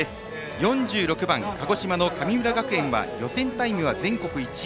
４６番、鹿児島の神村学園は予選タイムは全国１位。